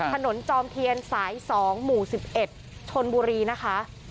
จอมเทียนสาย๒หมู่๑๑ชนบุรีนะคะ